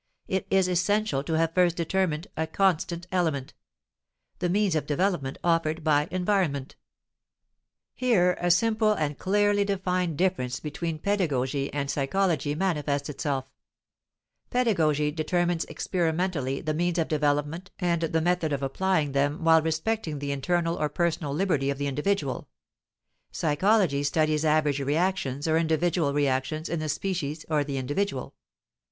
it is essential to have first determined a constant element: the means of development offered by environment. Here a simple and clearly defined difference between pedagogy and psychology manifests itself: pedagogy determines experimentally the means of development and the method of applying them while respecting the internal or personal liberty of the individual; psychology studies average reactions or individual reactions in the species or the individual.